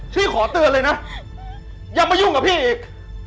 พี่ขอเตือนเลยนะอย่ามายุ่งกับพี่อีก